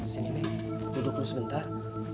sini duduk dulu sebentar